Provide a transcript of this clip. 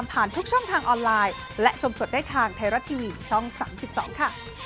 มันเทิงไทยรัก